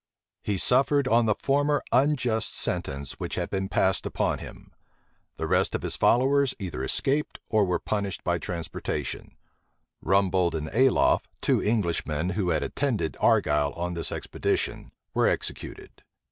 He suffered on the former unjust sentence which had been passed upon him. The rest of his followers either escaped or were punished by transportation: Rumbold and Ayloffe, two Englishmen who had attended Argyle on this expedition, were executed.